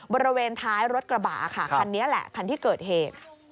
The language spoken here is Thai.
บริเวณท้ายรถกระบะค่ะคันนี้แหละคันที่เกิดเหตุ